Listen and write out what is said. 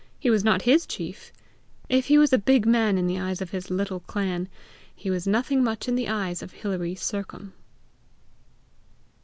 He was not his chief! If he was a big man in the eyes of his little clan, he was nothing much in the eyes of Hilary Sercombe.